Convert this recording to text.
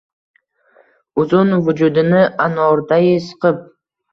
Uzin vujudini anordai siqib